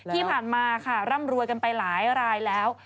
ที่ผ่านมาค่ะร่ำรวยกันไปหลายรายแล้ว